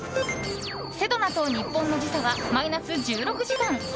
セドナと日本の時差はマイナス１６時間。